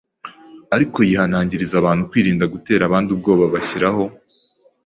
ariko yihanangiriza abantu kwirinda gutera abandi ubwoba bashyiraho